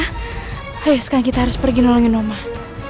hai ayo sekarang kita harus pergi nolongin rumah